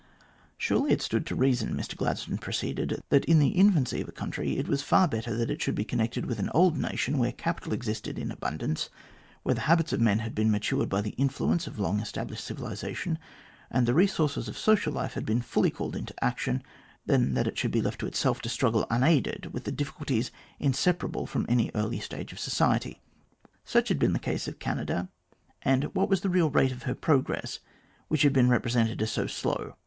Surely it stood to reason, Mr Gladstone proceeded, that in the infancy of a country it was far better that it should be connected with an old nation where capital existed in abundance, where the habits of men had been matured by the influence of long established civilisation, and the re sources of social life had been fully called into action, than that it should be left to itself to struggle unaided with the difficulties inseparable from an early stage of society. Such had been the case of Canada, and what was the real rate of her progress which had been represented as so slow